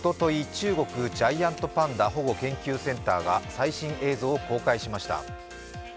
中国ジャイアントパンダ保護研究センターが最新映像を公開しました。